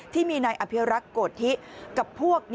ที่มีในอเภียรักกฏทิกับพวก